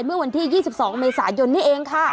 เมื่อวันที่๒๒เมษายนนี่เองค่ะ